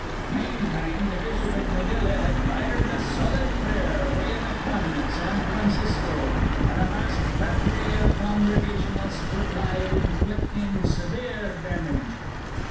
Manetime th' bishop iv Manila had fired a solid prayer, weighin' a ton, at San Francisco; an' a masked batthry iv Congregationalists replied, inflictin' severe damage.